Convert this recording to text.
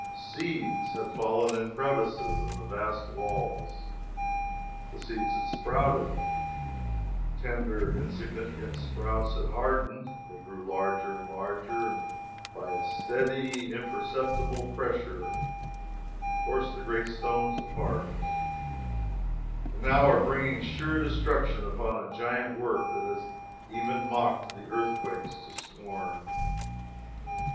Seeds had fallen in crevices in the vast walls; the seeds had sprouted; the tender, insignificant sprouts had hardened; they grew larger and larger, and by a steady, imperceptible pressure forced the great stones apart, and now are bringing sure destruction upon a giant work that has even mocked the earthquakes to scorn!